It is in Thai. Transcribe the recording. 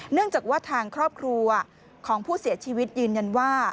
เนื่องจากว่าทางครอบครัวของผู้เสียชีวิตยืนยันว่า